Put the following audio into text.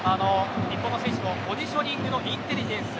日本の選手もポジショニングのインテリジェンス。